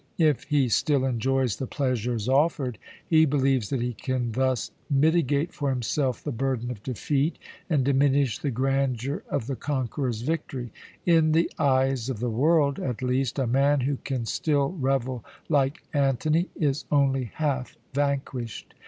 If he still enjoys the pleasures offered, he believes that he can thus mitigate for himself the burden of defeat, and diminish the grandeur of the conqueror's victory. In the eyes of the world, at least, a man who can still revel like Antony is only half vanquished.